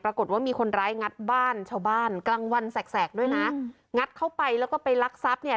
ปรากฏว่ามีคนร้ายงัดบ้านชาวบ้านกลางวันแสกด้วยนะงัดเข้าไปแล้วก็ไปลักทรัพย์เนี่ย